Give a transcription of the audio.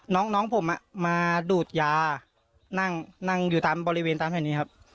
น้องผมมาดูดยานั่งนั่งอยู่ตามบริเวณตามแผ่นแห่งนี้ครับ